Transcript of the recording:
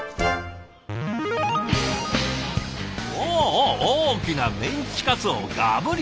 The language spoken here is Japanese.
おお大きなメンチカツをガブリ！